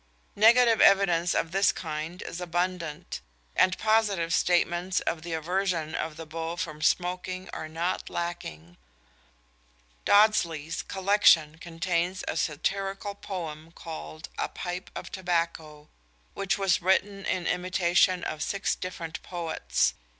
Negative evidence of this kind is abundant; and positive statements of the aversion of the beaux from smoking are not lacking. Dodsley's "Collection" contains a satirical poem called "A Pipe of Tobacco," which was written in imitation of six different poets.